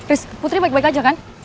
rizky putri baik baik aja kan